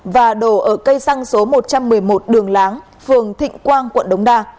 và đổ ở cây xăng số một trăm một mươi một đường láng phường thịnh quang quận đống đa